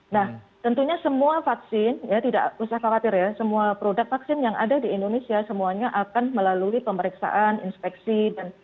nah tentunya semua vaksin ya tidak usah khawatir ya semua produk vaksin yang ada di indonesia semuanya akan melalui pemeriksaan inspeksi